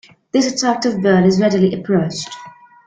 This attractive bird is readily approached.